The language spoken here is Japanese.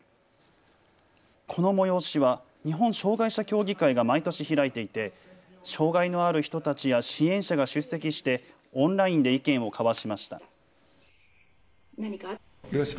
この催しは日本障害者協議会が毎年開いていて障害のある人たちや支援者が出席してオンラインで意見を交わしました。